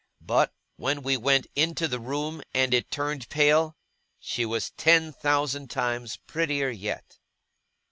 But, when we went into the room, and it turned pale, she was ten thousand times prettier yet.